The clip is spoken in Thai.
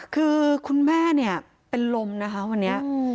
คือคุณแม่เนี่ยเป็นลมนะคะวันนี้